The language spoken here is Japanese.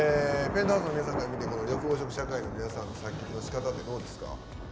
Ｐｅｎｔｈｏｕｓｅの皆さんから見て緑黄色社会の皆さんの作曲のしかたってどうですか？